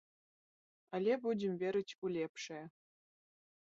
Але будзем верыць у лепшае.